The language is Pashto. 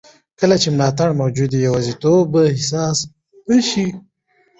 کله چې ملاتړ موجود وي، یوازیتوب به احساس نه شي.